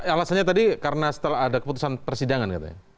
alasannya tadi karena setelah ada keputusan persidangan katanya